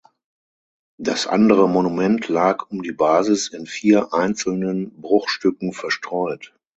Das andere Monument lag um die Basis in vier einzelnen Bruchstücken verstreut.